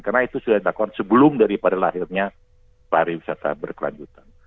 karena itu sudah dilakukan sebelum daripada lahirnya pariwisata berkelanjutan